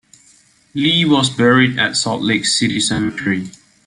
Lee was buried at Salt Lake City Cemetery.